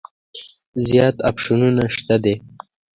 زیات اپشنونه شته دي.